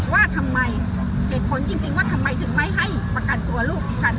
ว่าทำไมเหตุผลจริงว่าทำไมถึงไม่ให้ประกันตัวลูกดิฉัน